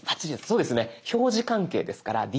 そうですね。